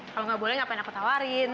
kalau nggak boleh ngapain aku tawarin